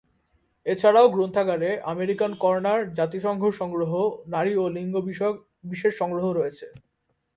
এছাড়াও গ্রন্থাগারে American corner, জাতিসংঘ সংগ্রহ, নারী ও লিঙ্গ বিষয়ক বিশেষ সংগ্রহ রয়েছে।